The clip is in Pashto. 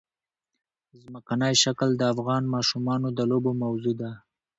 ځمکنی شکل د افغان ماشومانو د لوبو موضوع ده.